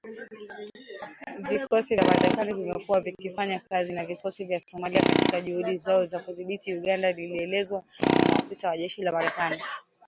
Vikosi vya Marekani vimekuwa vikifanya kazi na vikosi vya Somalia katika juhudi zao za kudhibiti ugaidi ilielezewa na maafisa wa jeshi la Marekani.